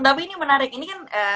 tapi ini menarik ini kan